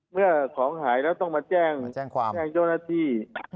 เมื่อของหายแล้วต้องมาแจ้งเจ้าหน้าที่